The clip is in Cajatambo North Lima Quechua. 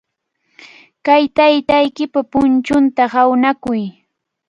Kay taytaykipa punchunta hawnakuy.